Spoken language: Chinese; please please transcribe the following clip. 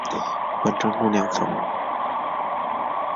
本站共两层。